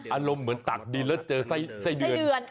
อารมณ์เหมือนตักดินแล้วเจอไส้เดือน